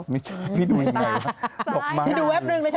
ไม่ใช่พี่ดูยังไง